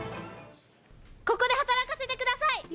ここで働かせてください。